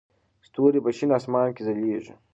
ستوري په شین اسمان کې ځلېږي.